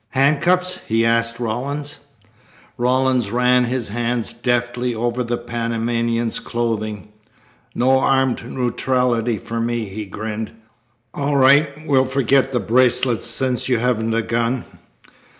"Handcuffs?" he asked Rawlins. Rawlins ran his hands deftly over the Panamanian's clothing. "No armed neutrality for me," he grinned. "All right. We'll forget the bracelets since you haven't a gun."